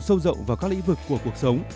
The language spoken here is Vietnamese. sâu rộng vào các lĩnh vực của cuộc sống